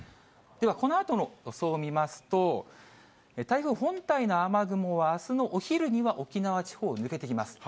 では、このあとの予想を見ますと、台風本体の雨雲は、あすのお昼には沖縄地方を抜けていきます。